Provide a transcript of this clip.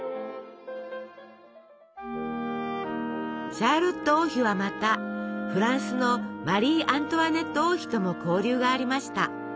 シャーロット王妃はまたフランスのマリー・アントワネット王妃とも交流がありました。